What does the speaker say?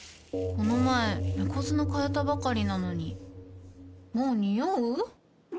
この前猫砂替えたばかりなのにもうニオう？